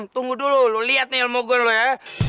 tunggu dulu lu liat nih almogun lu ya